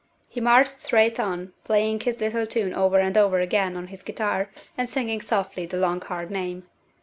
He marched straight on, playing his little tune over and over again on his guitar and singing softly the long hard name.